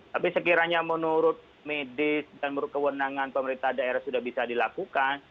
tapi sekiranya menurut medis dan menurut kewenangan pemerintah daerah sudah bisa dilakukan